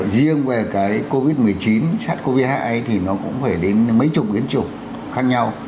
riêng về cái covid một mươi chín sát covid một mươi chín thì nó cũng phải đến mấy chục biến chủng khác nhau